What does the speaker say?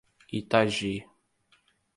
Itagi